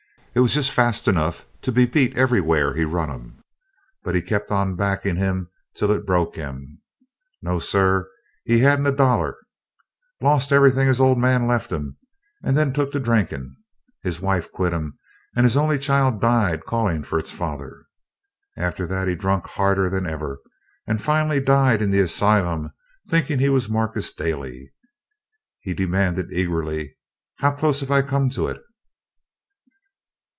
It was just fast enough to be beat everywhur he run him. But he kept on backin' him till it broke him no, sir, he hadn't a dollar! Lost everything his Old Man left him and then took to drinkin'. His wife quit him and his only child died callin' for its father. After that he drunk harder than ever, and finally died in the asylum thinkin' he was Marcus Daly." He demanded eagerly, "How clost have I come to it?"